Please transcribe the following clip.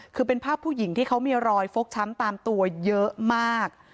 คือเป็นภาพผู้หญิงที่เขามีรอยฟกช้ำตามตัวเยอะมาก